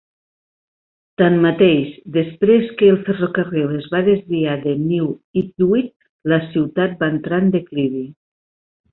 Tanmateix, després que el ferrocarril es va desviar de New Ipswich, la ciutat va entrar en declivi.